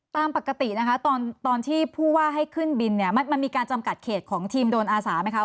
ตามปกตินะคะตอนที่ผู้ว่าให้ขึ้นบินเนี่ยมันมีการจำกัดเขตของทีมโดนอาสาไหมคะ